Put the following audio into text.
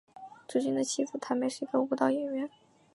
朱军的妻子谭梅是一个舞蹈演员。